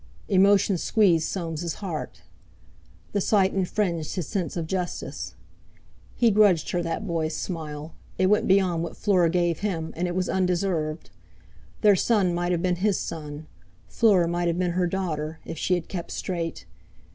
Emotion squeezed Soames' heart. The sight infringed his sense of justice. He grudged her that boy's smile—it went beyond what Fleur gave him, and it was undeserved. Their son might have been his son; Fleur might have been her daughter, if she had kept straight!